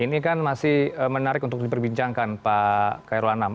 ini kan masih menarik untuk diperbincangkan pak kairul anam